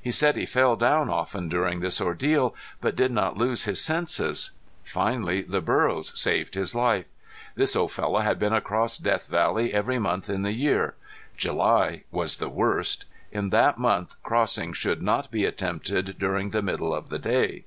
He said he fell down often during this ordeal, but did not lose his senses. Finally the burros saved his life. This old fellow had been across Death Valley every month in the year. July was the worst. In that month crossing should not be attempted during the middle of the day.